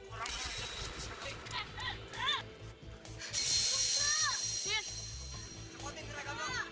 orang mana yang lebih bisa diseragam